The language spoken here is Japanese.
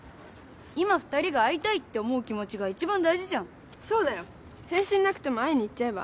今２人が会いたいって思う気持ちが一番大事じゃんそうだよ返信なくても会いに行っちゃえば？